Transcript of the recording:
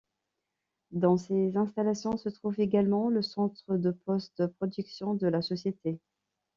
Dans ses installations, se trouve également le centre de post-production de la société.